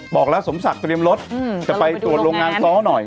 บอกแล้วสมศักดิ์เตรียมรถจะไปตรวจโรงงานซ้อหน่อย